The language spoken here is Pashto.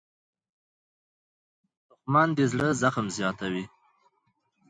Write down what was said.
دښمن د زړه زخم زیاتوي